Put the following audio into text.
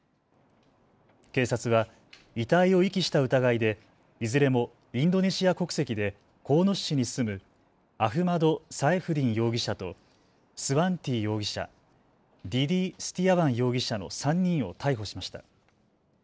警察は遺体を遺棄した疑いでいずれもインドネシア国籍で鴻巣市に住むアフマド・サエフディン容疑者とスワンティ容疑者、デディ・スティアワン容疑者の３人を逮捕しました。